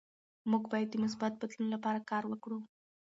موږ باید د مثبت بدلون لپاره کار وکړو.